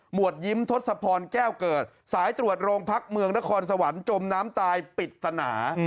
วดยิ้มทศพรแก้วเกิดสายตรวจโรงพักเมืองนครสวรรค์จมน้ำตายปิดสนา